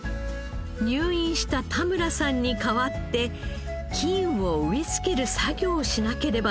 入院した田村さんに代わって菌を植え付ける作業をしなければならない。